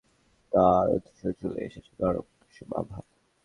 নিপুণ হাতে খেজাব মাখানোর ফলে তাঁর ধূসরিম চুলে এসেছে গাঢ় কৃষ্ণাভ আভা।